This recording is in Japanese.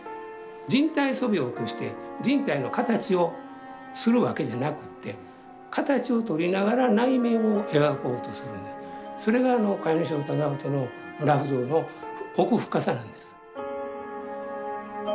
人体素描として人体の形をするわけじゃなくって形をとりながら内面を描こうとするそれが甲斐荘楠音の裸婦像の奥深さなんです。